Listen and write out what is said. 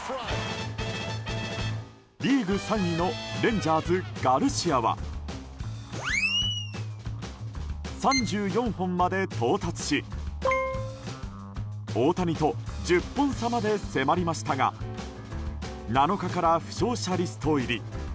リーグ３位のレンジャーズ、ガルシアは３４本まで到達し大谷と１０本差まで迫りましたが７日から負傷者リスト入り。